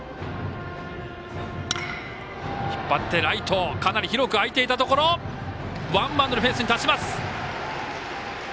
ライト、かなり広くあいていたところワンバウンドでフェンスに達します。